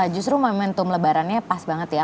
justru momentum lebarannya pas banget ya